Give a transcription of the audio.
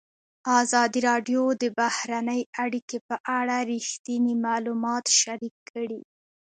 ازادي راډیو د بهرنۍ اړیکې په اړه رښتیني معلومات شریک کړي.